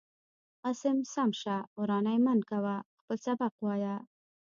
عاصم سم شه وراني من كوه خپل سبق وايا.